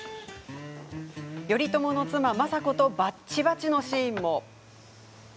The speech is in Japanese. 頼朝の妻・政子とバッチバチのシーンも。